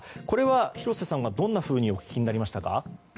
これは廣瀬さんはどんなふうにお聞きになりましたか？